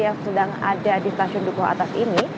yang sedang ada di stasiun dukuh atas ini